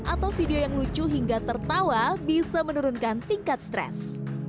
atau video yang lucu hingga tertawa bisa menurunkan tingkat stres